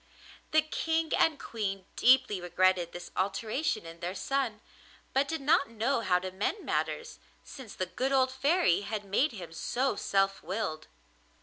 The King and Queen deeply regretted this alteration in their son, but did not know how to mend matters, since the good old Fairy had made him so self willed.